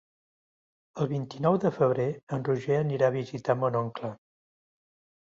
El vint-i-nou de febrer en Roger anirà a visitar mon oncle.